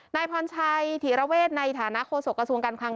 นายพรชัยถีระเวทในฐานะโฆษกระทรวงการคลัง